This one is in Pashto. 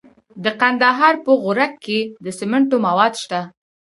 د کندهار په غورک کې د سمنټو مواد شته.